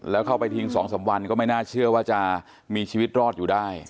แล้วเข้าไปทิ้ง๒๓วันก็ไม่น่าเชื่อว่าจะมีชีวิตรอดอยู่ได้